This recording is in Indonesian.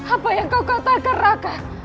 apa yang kau katakan rakyat